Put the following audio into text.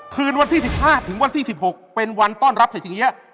คืนวันที่๑๕ถึงวันที่๑๖เป็นวันต้อนรับเศรษฐีย